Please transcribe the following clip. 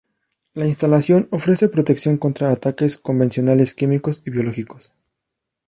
La instalación ofrece protección contra ataques convencionales, químicos y biológicos.